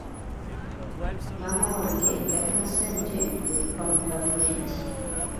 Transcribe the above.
Maama wange yafuna ssente okuva mu gavumenti.